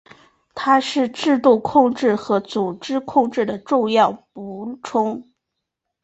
它是制度控制和组织控制的重要补充。